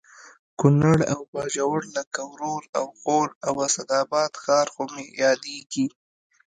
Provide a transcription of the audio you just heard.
کونړ او باجوړ لکه ورور او خور او اسداباد ښار خو مې یادېږي